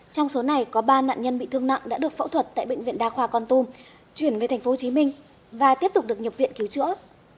trong số này có ba nạn nhân bị thương nặng đã được phẫu thuật tại bệnh viện đa khoa con tum chuyển về tp hcm và tiếp tục được nhập viện cứu chữa